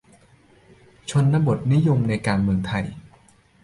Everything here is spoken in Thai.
นิธิ เอียวศรีวงศ์ : ชนบทนิยมในการเมืองไทย